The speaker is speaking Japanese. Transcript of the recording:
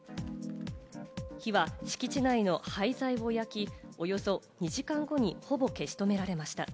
火は敷地内の廃材を焼き、およそ２時間後にほぼ消し止められました。